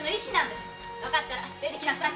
分かったら出ていきなさい。